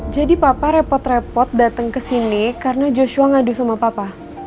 jadi papa repot repot datang ke sini karena joshua ngadu sama papa